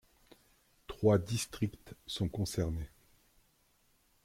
Trois districts sont concernés.